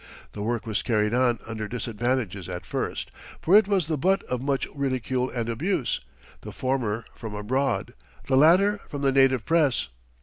The work was carried on under disadvantages at first, for it was the butt of much ridicule and abuse the former from abroad, the latter from the native press.